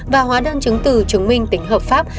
và hóa đơn chứng từ chứng minh tính hợp pháp